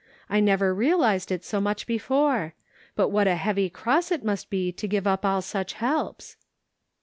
I never realized it so much before ; but what a heavy cross it must be to give up all such helps?"